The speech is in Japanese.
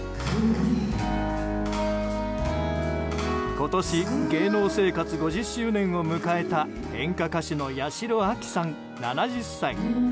今年芸能生活５０周年を迎えた演歌歌手の八代亜紀さん７０歳。